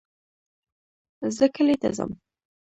زه کلي ته ځم